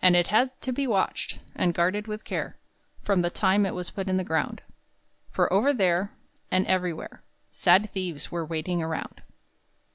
And it had to be watched And guarded with care From the time it was put in the ground, For over there, And everywhere, Sad thieves were waiting around.